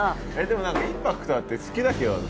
でも何かインパクトあって好きだけど。